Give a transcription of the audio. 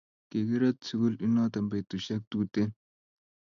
Kikiret sukul inot petushike tuten